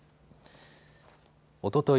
おととい